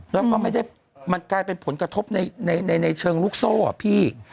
แล้วก็กลายเป็นผลกระทบในเชิงลูกโซ่ออกพี่